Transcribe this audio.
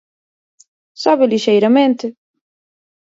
Sobe lixeiramente.